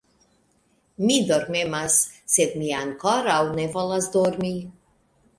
Mi dormemas, sed mi ankoraŭ ne volas dormi.